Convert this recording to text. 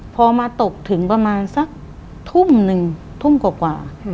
พอมาตกถึงประมาณสักทุ่มหนึ่งทุ่มกว่า